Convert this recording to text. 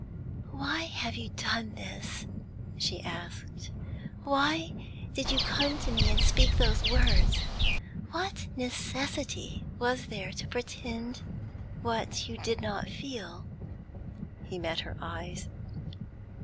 'Why have you done this?' she asked. 'Why did you come to me and speak those words? What necessity was there to pretend what you did not feel?' He met her eyes.